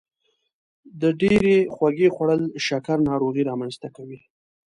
د ډیرې خوږې خوړل شکر ناروغي رامنځته کوي.